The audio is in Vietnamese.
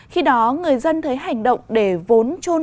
khi đó người dân thấy hành động để vốn trôn